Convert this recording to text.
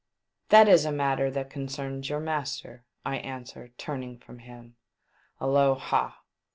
'• That is a matter that concerns your master," I answered, turning from him. A low ha